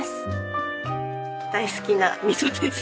大好きな味噌です。